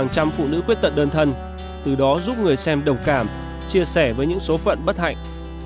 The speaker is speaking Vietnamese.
hàng trăm phụ nữ quyết tật đơn thân từ đó giúp người xem đồng cảm chia sẻ với những số phận bất hạnh